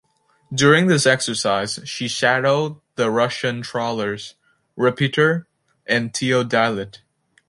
During this exercise she shadowed the Russian trawlers "Repiter" and "Teodilit".